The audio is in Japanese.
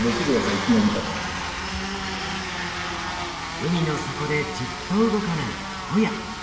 海の底でじっと動かないホヤ。